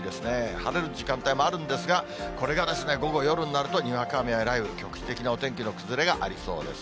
晴れる時間帯もあるんですが、これが午後夜になると、にわか雨や雷雨、局地的なお天気の崩れがありそうです。